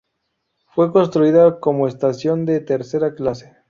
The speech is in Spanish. Fue construida como estación de tercera clase.